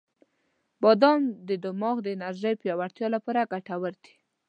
• بادام د دماغ د انرژی پیاوړتیا لپاره ګټور دی.